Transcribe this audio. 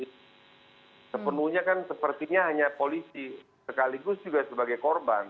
semiskip sepenuhnya kan sepertinya hanya tadi polisi sekaligus juga sebagai perban